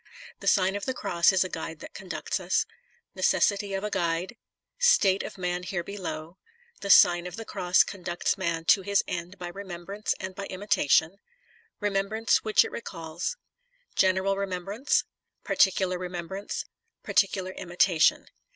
THE SIGN or THE CROSS is A GUIDE THAT CONDUCTS us NECES SITY OF A GUIDE STATE or MAN HERE BELOW THE SIGW OF THE CROSS CONDUCTS MAN TO HIS END BY REMEMBRANCE AND BY IMITATION REMEMBRANCE WHICH IT RECALLS GENE EAL REMEMBRANCE PARTICULAR REMEMBRANCE PARTICULAR IMITATION.